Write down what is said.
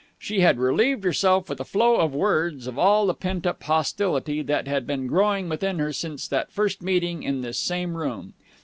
She had relieved herself with a flow of words of all the pent up hostility that had been growing within her since that first meeting in this same room.